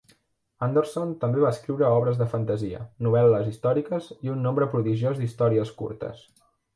Anderson també va escriure obres de fantasia, novel·les històriques, i un nombre prodigiós d'històries curtes.